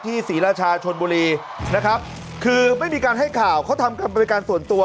ศรีราชาชนบุรีนะครับคือไม่มีการให้ข่าวเขาทำการบริการส่วนตัว